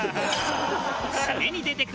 締めに出てくる